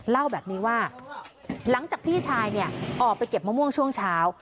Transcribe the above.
เล่าแบบนี้ว่าหลังจากพี่ชายเนี่ยออกไปเก็บมะม่วงช่วงเช้า